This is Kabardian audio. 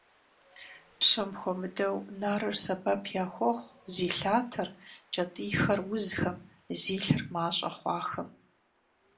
Псом хуэмыдэу нарыр сэбэп яхуохъу зи лъатэр, кӀэтӀийхэр узхэм, зи лъыр мащӀэ хъуахэм.